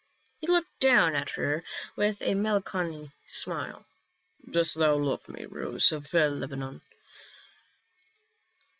He looked down at her with a melancholy smile. " Dost thou love me, rose of Lebanon